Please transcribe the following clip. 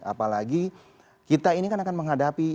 apalagi kita ini kan akan menghadapi